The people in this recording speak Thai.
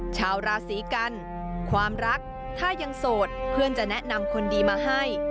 ชาวราศีกันความรักถ้ายังโสดเพื่อนจะแนะนำคนดีมาให้